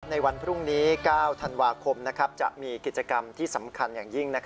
ในวันพรุ่งนี้๙ธันวาคมจะมีกิจกรรมที่สำคัญอย่างยิ่ง